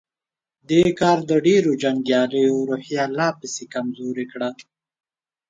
دې کار د ډېرو جنګياليو روحيه لا پسې کمزورې کړه.